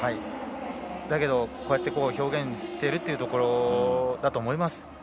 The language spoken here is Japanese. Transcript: だけど、こうして表現しているということだと思います。